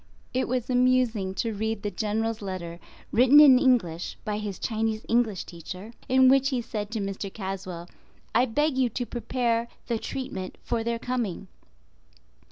It was amusing to read the General's letter written in English by his Chinese English Teacher, in which he said to Mr. Caswell, "I beg you to prepare the treatment for their coming."